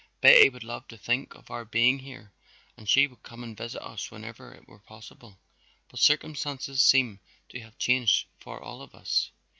"Betty would love to think of our being here and she would come and visit us whenever it were possible, but circumstances seem to have changed for all of us.